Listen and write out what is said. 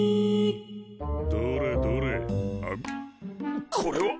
どれどれあむこれは！